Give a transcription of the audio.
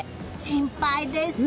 心配です。